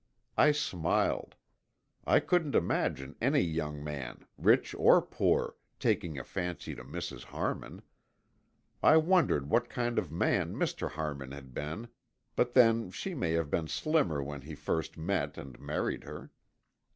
I smiled. I couldn't imagine any young man, rich or poor, taking a fancy to Mrs. Harmon. I wondered what kind of man Mr. Harmon had been, but then she may have been slimmer when he first met and married her.